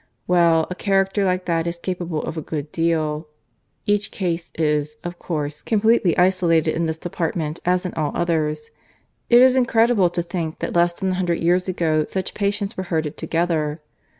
Well, a character like that is capable of a good deal. Each case is, of course, completely isolated in this department as in all others. It is incredible to think that less than a hundred years ago such patients were herded together.